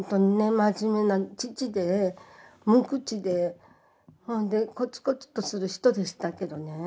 真面目な父で無口でほんでこつこつとする人でしたけどね